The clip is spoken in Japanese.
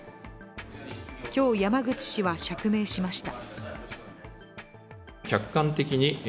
今日、山口氏は釈明しました。